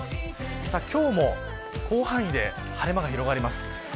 今日も広範囲で晴れ間が広がります。